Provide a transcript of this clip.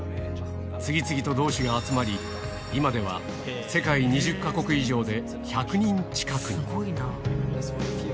次々と同士が集まり、今では世界２０か国以上で１００人近くに。